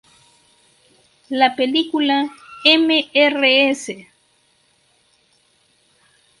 La película "Mrs.